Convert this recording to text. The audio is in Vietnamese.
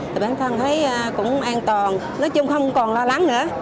thì bản thân thấy cũng an toàn nói chung không còn lo lắng nữa